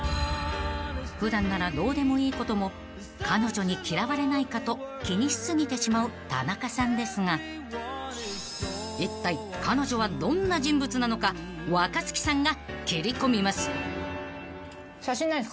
［普段ならどうでもいいことも彼女に嫌われないかと気にし過ぎてしまう田中さんですがいったい彼女はどんな人物なのか若槻さんが切り込みます］